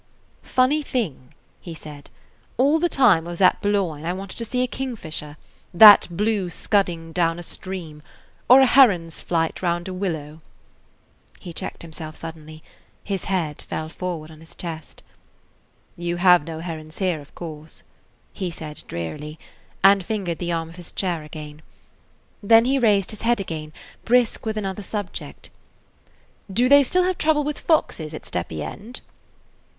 "Funny thing," he said. "All the time I was at Boulogne I wanted to see a kingfisher, that blue scudding down a stream, or a heron's flight round a willow–" He checked himself suddenly; his head fell forward on his chest. "You have no herons here, of course," he said drearily, and fingered the arm of his chair [Page 54] again. Then he raised his head again, brisk with another subject. "Do they still have trouble with foxes at Steppy End?"